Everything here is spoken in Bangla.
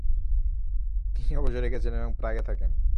উনি অবসরে গেছেন এবং প্রাগে থাকেন।